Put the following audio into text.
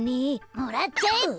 もらっちゃえって！